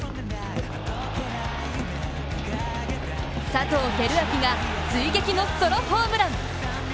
佐藤輝明が追撃のソロホームラン。